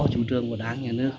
chủ trương của đảng nhà nước